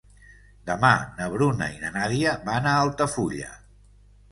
Demà na Bruna i na Nàdia van a Altafulla.